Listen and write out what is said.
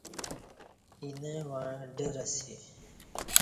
اینہ وعں ڈر اسی